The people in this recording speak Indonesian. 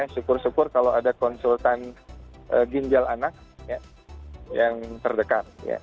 syukur syukur kalau ada konsultan ginjal anak yang terdekat